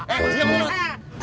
eh diam dong